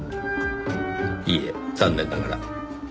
いいえ残念ながら。